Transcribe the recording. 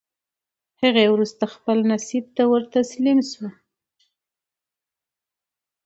هفتې وورسته خپل نصیب ته ورتسلیم سو